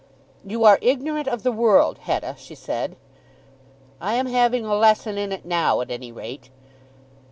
"You are ignorant of the world, Hetta," she said. "I am having a lesson in it now, at any rate."